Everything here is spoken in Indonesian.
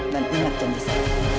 dan ingat janji saya